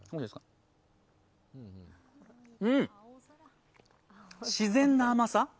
うん、自然な甘さ。